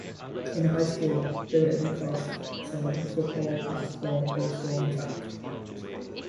In high school, Biletnikoff excelled in football, basketball, baseball, and track.